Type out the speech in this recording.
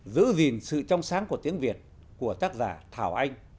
giữ gìn sự trong sáng của tiếng việt của tác giả thảo anh